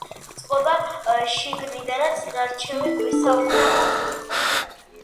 წყობა შიგნიდანაც ნარჩევი ქვისა უნდა ყოფილიყო.